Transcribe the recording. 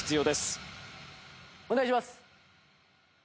お願いします！